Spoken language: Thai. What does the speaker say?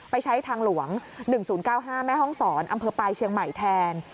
ใช้ทางหลวง๑๐๙๕แม่ห้องศรอำเภอปลายเชียงใหม่แทน